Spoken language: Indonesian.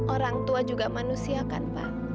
orang tua juga manusia kan pak